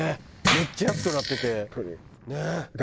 めっちゃ安くなってて。